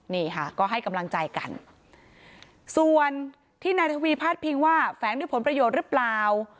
นี่ค่ะก็ให้กำลังใจกันส่วนที่นายทวีพาดพิงว่าแฝงด้วยผลประโยชน์หรือเปล่า